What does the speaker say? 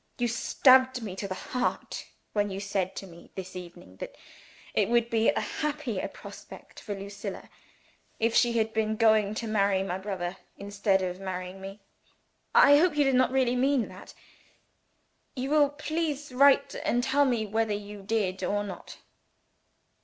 You stabbed me to the heart, when you said to me this evening that it would be a happier prospect for Lucilla if she had been going to marry my brother instead of marrying me. I hope you did not really mean that? Will you please write and tell me whether you did or not?